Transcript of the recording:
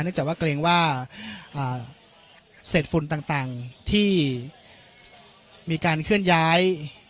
จากว่าเกรงว่าเศษฝุ่นต่างที่มีการเคลื่อนย้าย